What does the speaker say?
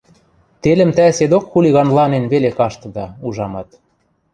Телӹм тӓ седок хулиганланен веле каштыда, ужамат.